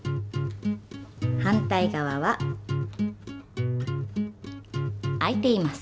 反対側は開いています。